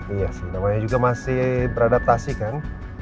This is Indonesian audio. iya sih namanya juga masih beradaptasi kan